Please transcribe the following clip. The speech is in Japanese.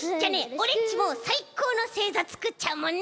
オレっちもさいこうのせいざつくっちゃうもんね。